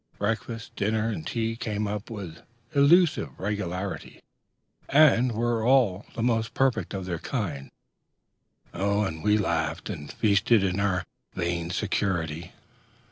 Breakfast, dinner, and tea came up with illusive regularity, and were all the most perfect of their kind; and we laughed and feasted in our vain security.